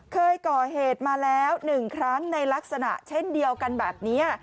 เคยก่อเหตุมาแล้ว๑ครั้งในลักษณะเช่นเดียวกันแบบนี้